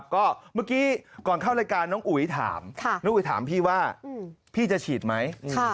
ก็เมื่อกี้ก่อนเข้ารายการน้องอุ๋ยถามน้องอุ๋ยถามพี่ว่าพี่จะฉีดไหม